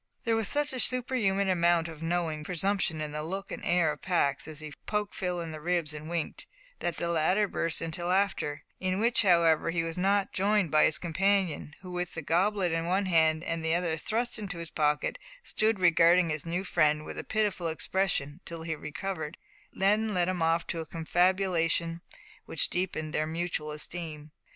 There was such a superhuman amount of knowing presumption in the look and air of Pax, as he poked Phil in the ribs and winked, that the latter burst into laughter, in which however he was not joined by his companion, who with the goblet in one hand and the other thrust into his pocket, stood regarding his new friend with a pitiful expression till he recovered, and then led him off to a confabulation which deepened their mutual esteem.